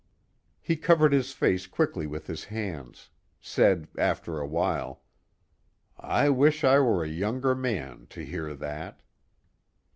He covered his face quickly with his hands; said after a while: "I wish I were a younger man, to hear that."